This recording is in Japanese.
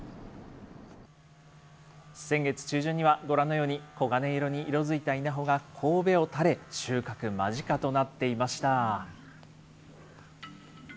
先月中旬には、ご覧のように黄金色に色づいた稲穂がこうべを垂れ、収穫間近となっていました。